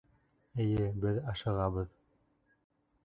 Эйе, беҙ ашығабыҙ.